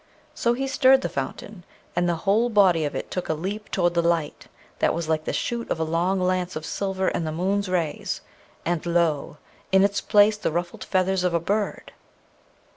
So he stirred the fountain, and the whole body of it took a leap toward the light that was like the shoot of a long lance of silver in the moon's rays, and lo! in its place the ruffled feathers of a bird.